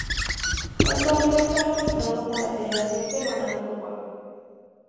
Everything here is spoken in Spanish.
El torneo está organizado por la Federación Peruana de Fútbol.